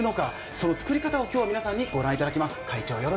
その作り方を今日は皆さんにご覧いただきます。